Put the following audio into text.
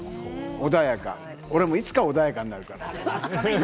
穏やか、俺もいつか穏やかになるから。